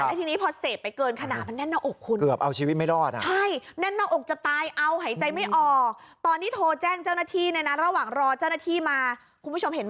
แล้วทีนี้พอเสพไปเกินขนาดมันหน้าอก